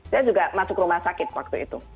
saya juga masuk rumah sakit waktu itu